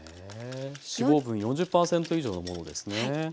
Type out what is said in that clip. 脂肪分４０％以上のものですね。